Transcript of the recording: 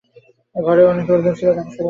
ঘরে অনেক লোকজন ছিল, তাদের সরিয়ে দেওয়া হল।